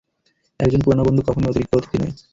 একজন পুরানো বন্ধু কখনই অতিরিক্ত অতিথি নয়।